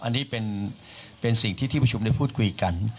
อันนี้เป็นสิ่งที่ที่ประชุมได้พูดคุยกัน